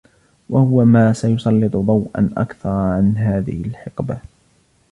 وهو ما سيسلّط ضوءا أكثر عن هذه الحقبة.